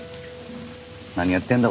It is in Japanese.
何やってんだ